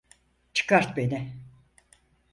Çıkart beni!